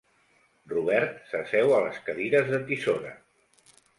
Robert s'asseu a les cadires de tisora.